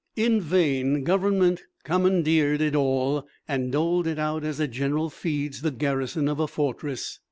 In vain Government commandeered it all and doled it out as a general feeds the garrison of a fortress.